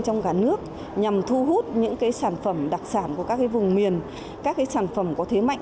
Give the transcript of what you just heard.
trong cả nước nhằm thu hút những sản phẩm đặc sản của các vùng miền các sản phẩm có thế mạnh